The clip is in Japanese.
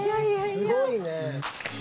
すごいね。